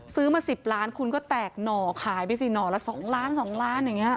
ซื้อมา๑๐ล้านคุณก็แตกหน่อขายไปสิหน่อละ๒ล้าน๒ล้านอย่างนี้